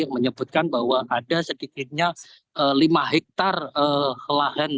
menyebutkan bahwa ada sedikitnya lima hektare lahan